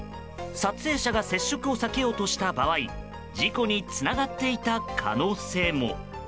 撮影者が接触を避けようとした場合事故につながっていた可能性も。